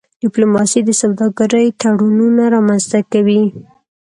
ډيپلوماسي د سوداګری تړونونه رامنځته کوي.